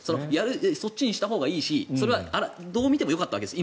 そっちにしたほうがいいしそれはどう見てもよかったわけです。